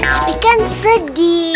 tapi kan sedih